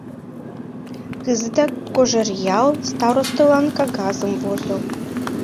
— Кызытак Кожеръял старостылан кагазым возо.